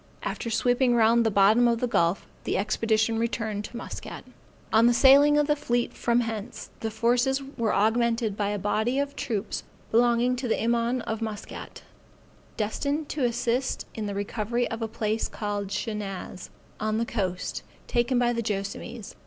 After sweeping round the bottom of the gulf, the expedition returned to Muscat. On the sailing of the fleet from hence, the forces were augmented by a body of troops belonging to the Imaun of Muscat, destined to assist in the recovery of a place called Shenaz, on the coast, taken by the Joassamees.